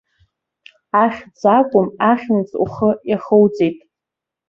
Ахьӡ акәым, ахьымӡӷ ухы иахуҵеит!